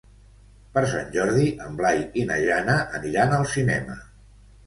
Per Sant Jordi en Blai i na Jana aniran al cinema.